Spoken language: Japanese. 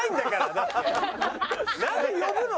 なんで呼ぶの？